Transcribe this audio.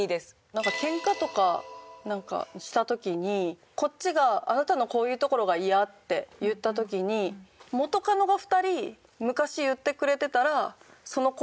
なんかケンカとかした時にこっちがあなたのこういうところが嫌って言った時に元カノが２人昔言ってくれてたら。